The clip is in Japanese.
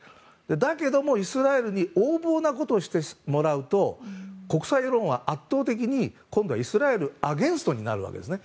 だけどもイスラエルに横暴なことをしてもらうと国際世論は圧倒的に今度はイスラエルアゲンストになるわけですね。